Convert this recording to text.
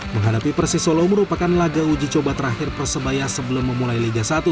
menghadapi persis solo merupakan laga uji coba terakhir persebaya sebelum memulai liga satu